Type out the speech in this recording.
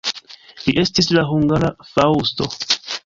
Li estis la hungara Faŭsto.